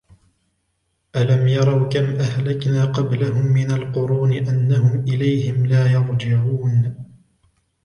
ألم يروا كم أهلكنا قبلهم من القرون أنهم إليهم لا يرجعون